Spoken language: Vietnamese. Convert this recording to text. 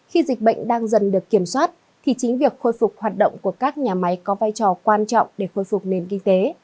khi dịch bệnh đang dần được kiểm soát thì chính việc khôi phục hoạt động của các nhà máy có vai trò quan trọng để khôi phục nền kinh tế